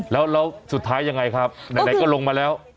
แล้วสุดท้ายยังไงครับไหนก็ลงมาแล้ว